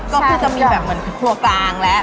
ก็คือจะมีแบบเหมือนครัวกลางแล้ว